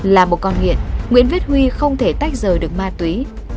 là một con nghiện nguyễn viết huy không thể tách rời được ma túy